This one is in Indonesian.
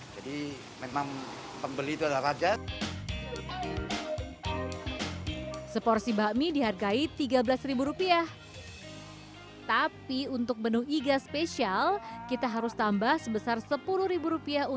jadi memang pembeli telah raja seporsi bakmi dihargai tiga belas rupiah tapi untuk menu iga special kita harus tambah sebesar sepuluh rupiah untuk membuat mie go dog yang terkenal di jawa indonesia